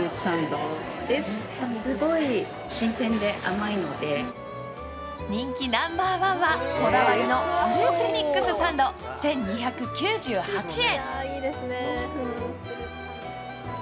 まずは人気ナンバーワンはこだわりのフルーツミックスサンド１２９８円。